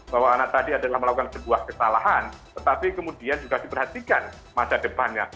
bahwa anak tadi adalah melakukan sebuah kesalahan tetapi kemudian juga diperhatikan masa depannya